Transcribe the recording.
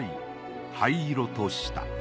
灰色とした。